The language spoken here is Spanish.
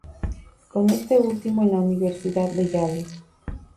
Con este último en la Universidad de Yale.